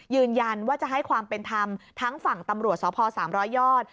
ยืนยันว่าจะให้ความเป็นธรรมทั้งฝั่งตำรวจสพ๓๐๐ยอด